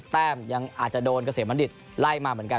แต้มยังอาจจะโดนเกษมบัณฑิตไล่มาเหมือนกัน